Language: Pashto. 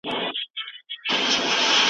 سره زخمونه د بدیو یو په یو پټۍ کومه